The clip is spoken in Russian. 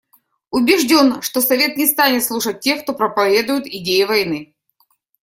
Убежден, что Совет не станет слушать тех, кто проповедует идеи войны.